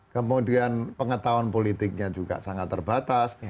kemudian pengetahuan politiknya juga sangat terbatas